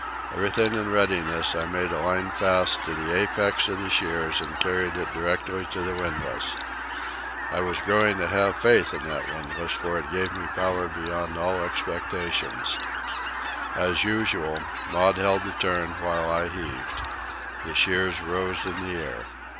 Everything in readiness, I made a line fast to the apex of the shears and carried it directly to the windlass. I was growing to have faith in that windlass, for it gave me power beyond all expectation. As usual, Maud held the turn while I heaved. The shears rose in the air.